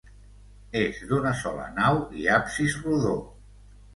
És d'una sola nau i absis rodó.